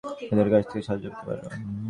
এদের কাছ থেকে সাহায্য পেতে পার।